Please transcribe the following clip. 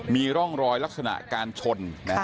มีร่องรอยลักษณะการชน